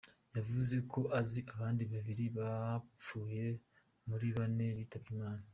Yavuze ko azi abandi babiri bapfuye muri bane bitabye Imana.